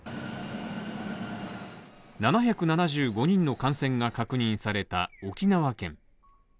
７７５人の感染が確認された沖縄県。